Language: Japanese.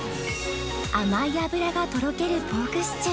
甘い脂がとろけるポークシチュー